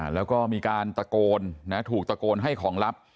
แล้วก็มีการตะโกนถูกตะโกนให้ของลับ